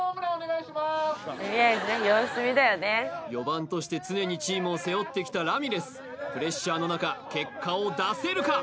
４番として常にチームを背負ってきたラミレスプレッシャーの中結果を出せるか？